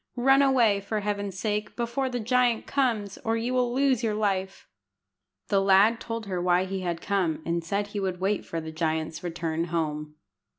Run away, for Heaven's sake, before the giant comes, or you will lose your life." The lad told her why he had come, and said he would wait for the giant's return home.